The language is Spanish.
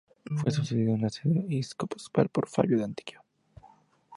Fue sucedido en la sede episcopal por Fabio de Antioquía.